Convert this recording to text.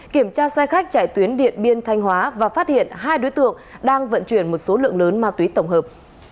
kiểm tra xe khách chạy tuyến điện biên thanh hóa và phát hiện hai đối tượng đang vận chuyển một số lượng lớn ma túy tổng hợp